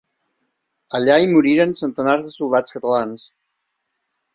Allà hi moriren centenars de soldats catalans.